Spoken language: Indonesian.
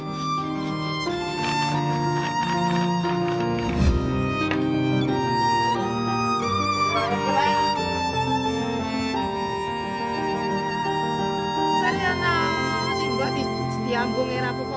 menciptakan bentuk bentuk lain